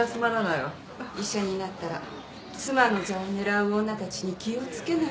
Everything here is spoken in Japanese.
医者になったら妻の座を狙う女たちに気を付けないと。